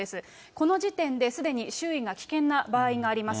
この時点ですでに周囲が危険な場合があります。